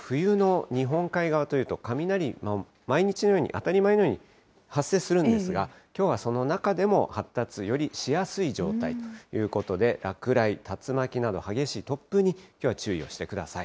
冬の日本海側というと、雷、毎日のように、当たり前のように発生するんですが、きょうはその中でも発達、よりしやすい状態ということで、落雷、竜巻など、激しい突風にきょうは注意をしてください。